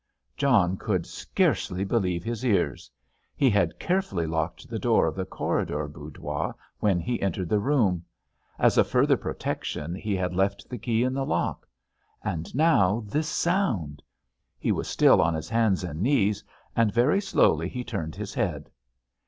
John could scarcely believe his ears. He had carefully locked the door of the corridor boudoir when he entered the room. As a further protection, he had left the key in the lock. And now this sound! He was still on his hands and knees, and very slowly he turned his head.